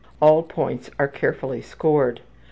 All points are carefully scored.